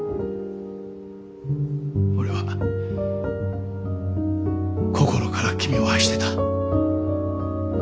俺は心から君を愛してた。